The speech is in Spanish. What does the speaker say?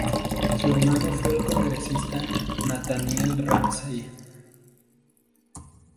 Su hermano fue el congresista Nathaniel Ramsey.